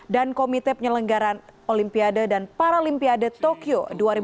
dan komite penyelenggaraan olimpiade dan paralimpiade tokyo dua ribu dua puluh